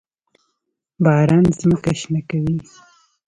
باران ځمکه شنه کوي.